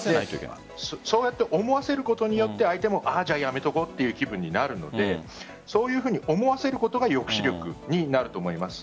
そうやって思わせることによって相手もじゃあやめておこうという気分になるのでそういうふうに思わせることが抑止力になると思います。